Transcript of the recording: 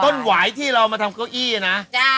หวายที่เรามาทำเก้าอี้นะ